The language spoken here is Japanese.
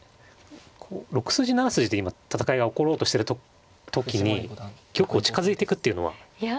こう６筋７筋で今戦いが起ころうとしてる時に玉を近づいていくっていうのは。